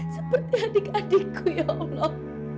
seperti adik adikku ya allah